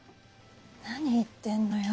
何言ってんのよ。